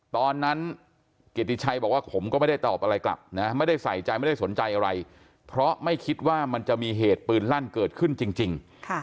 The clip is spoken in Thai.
ตอนนั้นเกียรติชัยบอกว่าผมก็ไม่ได้ตอบอะไรกลับนะไม่ได้ใส่ใจไม่ได้สนใจอะไรเพราะไม่คิดว่ามันจะมีเหตุปืนลั่นเกิดขึ้นจริง